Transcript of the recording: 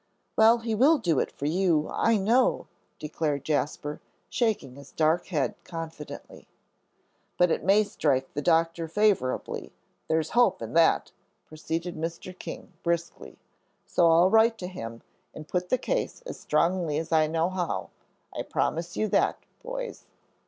"Well, he will do it for you, I know," declared Jasper, shaking his dark head confidently. "But it may strike the Doctor favorably; there's hope in that," proceeded Mr. King, briskly, "so I'll write to him and put the case as strongly as I know how. I promise you that, boys."